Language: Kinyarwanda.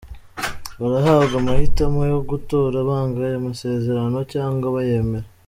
Barahabwa amahitamo yo gutora banga ayo masezerano cyangwa bayemera.